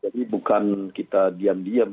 jadi bukan kita diam diam